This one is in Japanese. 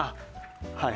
はい